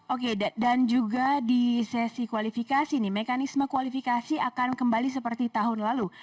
oke dan juga di sesi kualifikasi nih mekanisme kualifikasi akan kembali seperti tahun lalu